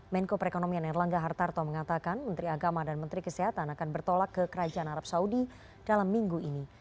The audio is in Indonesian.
menko perekonomian erlangga hartarto mengatakan menteri agama dan menteri kesehatan akan bertolak ke kerajaan arab saudi dalam minggu ini